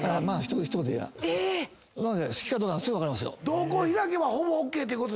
瞳孔開けばほぼＯＫってこと？